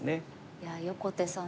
いや横手さん